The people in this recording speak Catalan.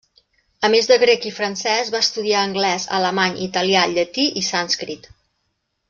A més de grec i francès, va estudiar anglès, alemany, italià, llatí i sànscrit.